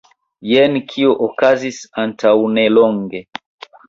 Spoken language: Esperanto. Jen kio okazis antaŭnelonge.